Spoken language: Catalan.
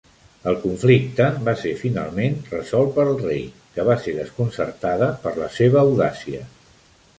El conflicte va ser finalment resolt pel rei que va ser desconcertada per la seva audàcia.